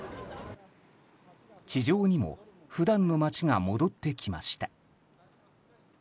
地上にも普段の街が戻ってきました。